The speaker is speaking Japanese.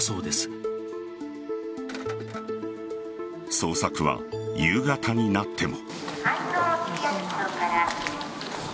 捜索は夕方になっても。